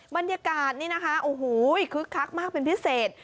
บรรยากาศนี่นะคะโอ้โหคึกคักมากเป็นพิเศษ